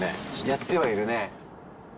やってはいるね。